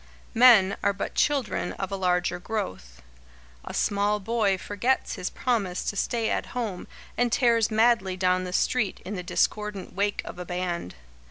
Men are but children of a larger growth. A small boy forgets his promise to stay at home and tears madly down the street in the discordant wake of a band.